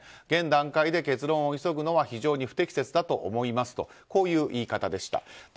現段階で結論を急ぐのは非常に不適切だと思いますとこういう言い方でした。